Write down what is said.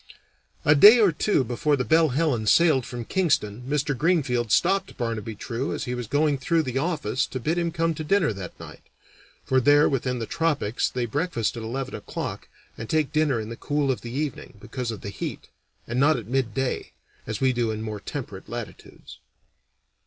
A day or two before the Belle Helen sailed from Kingston Mr. Greenfield stopped Barnaby True as he was going through the office to bid him to come to dinner that night (for there within the tropics they breakfast at eleven o'clock and take dinner in the cool of the evening, because of the heat, and not at midday, as we do in more temperate latitudes).